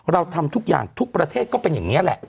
เราทำทุกอย่างทุกประเทศก็เป็นอย่างนี้แหละ